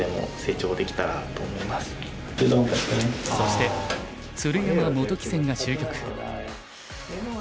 そして鶴山・本木戦が終局。